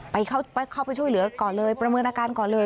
เข้าไปช่วยเหลือก่อนเลยประเมินอาการก่อนเลย